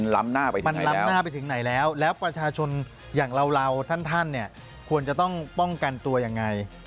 สาธารณะฟังแล้วน่ากลัวมากครับแต่อาจารย์บอกว่า